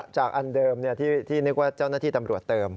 อันเดิมที่นึกว่าเจ้าหน้าที่ตำรวจเติม